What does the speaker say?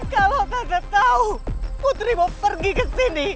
kalau tante tahu putri mau pergi kesini